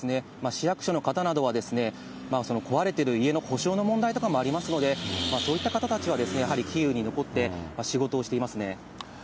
市役所の方などは、壊れている家の保証の問題とかもありますので、そういった方たちは、やはりキーウに残って、仕事をしていますね。